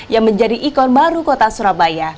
yang menjadi ikon baru kota surabaya